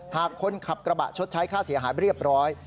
หากคนขับกระบะชดใช้ค่าเสียหายเรียบร้อย